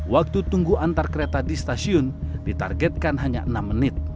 waktu tunggu antar kereta di stasiun ditargetkan hanya enam menit